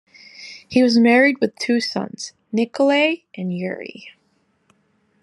He was married with two sons, Nikolay and Yuri.